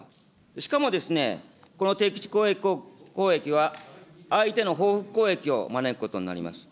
しかもですね、この敵基地攻撃は相手の報復攻撃を招くことになります。